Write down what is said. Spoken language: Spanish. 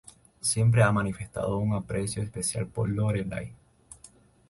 Siempre ha manifestado un aprecio especial por Lorelai.